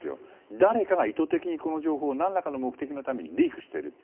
誰かが意図的にこの情報を何らかの目的のためにリークしている。